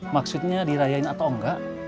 maksudnya dirayain atau enggak